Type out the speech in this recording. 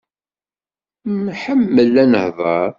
Nḥemmel ad nehḍer.